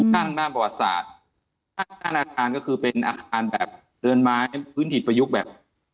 ด้านหน้าประวัติศาสตร์หน้าอาคารก็คือเป็นอาคารแบบเรือนไม้พื้นถิ่นประยุกต์แบบ